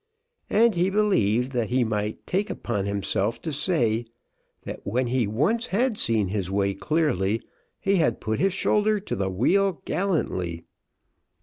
And he believed that he might take upon himself to say that when he once had seen his way clearly, he had put his shoulder to the wheel gallantly."